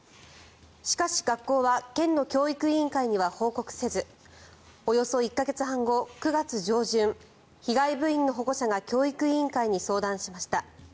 しかし、学校は県の教育委員会には報告せずおよそ１か月半後、９月上旬被害部員の保護者が教育委員会に相談しました。